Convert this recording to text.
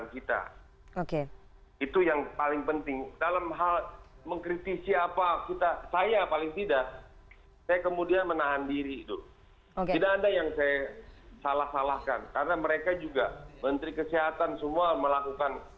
kita anggap di indonesia itu